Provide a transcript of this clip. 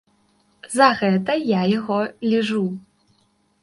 За гэта я яго ліжу.